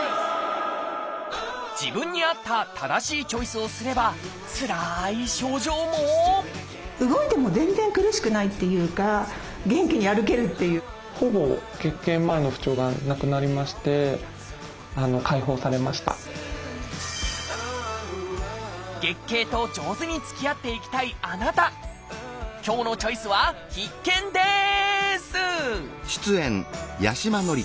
自分に合った正しいチョイスをすればつらい症状も月経と上手につきあっていきたいあなた今日の「チョイス」は必見です！